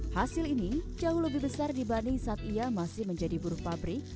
hasil ini jauh lebih besar dibanding saat ia masih menjadi buruh pabrik